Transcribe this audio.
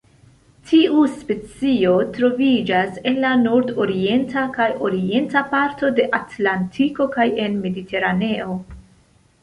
Tiu specio troviĝas en la nordorienta kaj orienta parto de Atlantiko kaj en Mediteraneo.